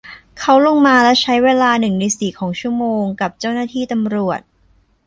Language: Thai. เขาลงมาและใช้เวลาหนึ่งในสี่ของชั่วโมงกับเจ้าหน้าที่ตำรวจ